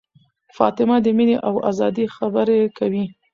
فاطمه د مینې او ازادۍ خبرې کوي.